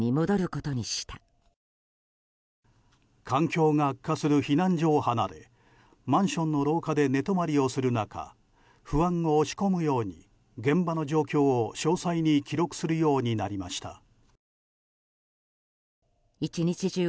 環境が悪化する避難所を離れマンションの廊下で寝泊まりをする中不安を押し込むように現場の状況を詳細に記録するようになりました。